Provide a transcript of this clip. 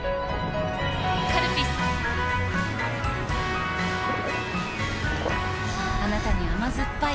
カルピスはぁあなたに甘ずっぱい